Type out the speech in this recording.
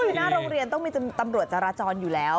คือหน้าโรงเรียนต้องมีตำรวจจราจรอยู่แล้ว